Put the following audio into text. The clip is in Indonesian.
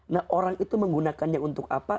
nah orang itu menggunakannya untuk apa